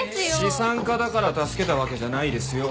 資産家だから助けたわけじゃないですよ。